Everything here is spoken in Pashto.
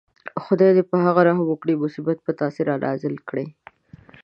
خدای په هغه رحم وکړي مصیبت په تاسې رانازل کړي.